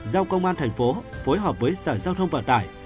giao công an tp phối hợp với sở giao thông vận tải